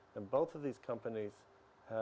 dan kedua duanya perusahaan ini